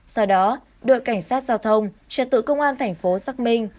sau đó đội cảnh sát giao thông trật tự công an thành phố xác minh